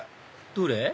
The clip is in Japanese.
どれ？